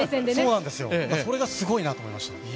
それがすごいなと思いました。